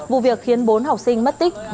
vụ việc khiến bốn học sinh mất tích